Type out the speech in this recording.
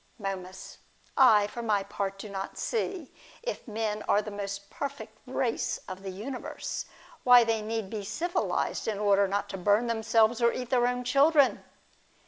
Momus. I for my part do not see, if men are the most perfect race of the universe, why they need be civilised in order not to burn themselves, or eat their own children.